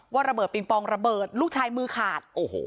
ระเบิดปิงปองระเบิดลูกชายมือขาด